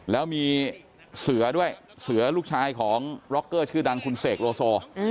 แล้วมีเสือด้วยเสือลูกชายของร็อกเกอร์ชื่อดังคุณเสกโลโซ